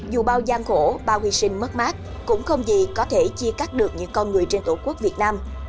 dù bao gian khổ bao hy sinh mất mát cũng không gì có thể chia cắt được những con người trên tổ quốc việt nam